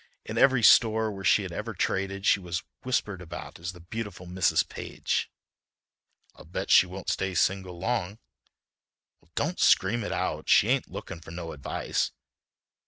In every store where she had ever traded she was whispered about as the beautiful Mrs. Page. "I'll bet she won't stay single long." "Well, don't scream it out. She ain't lookin' for no advice."